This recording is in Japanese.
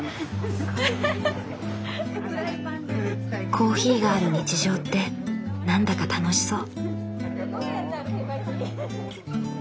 コーヒーがある日常って何だか楽しそう。